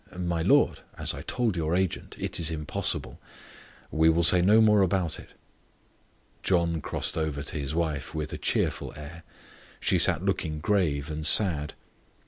"My lord, as I told your agent, it is impossible. We will say no more about it." John crossed over to his wife with a cheerful air. She sat looking grave and sad.